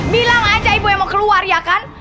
bilang aja ibu yang mau keluar ya kan